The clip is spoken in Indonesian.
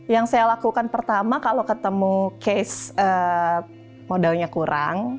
yang saya lakukan pertama kalau ketemu case modalnya kurang